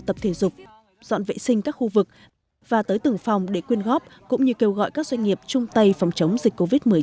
tập thể dục dọn vệ sinh các khu vực và tới từng phòng để quyên góp cũng như kêu gọi các doanh nghiệp chung tay phòng chống dịch covid một mươi chín